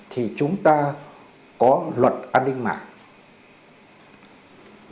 thì chúng ta có luật an ninh mạng